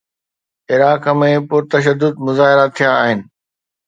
Iraq ۾ پرتشدد مظاهرا ٿيا آهن.